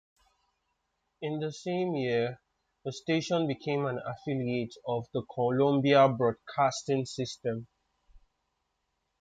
In the same year, the station became an affiliate of the Columbia Broadcasting System.